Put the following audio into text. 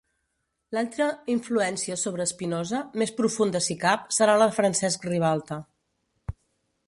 L'altra influència sobre Espinosa, més profunda si cap, serà la de Francesc Ribalta.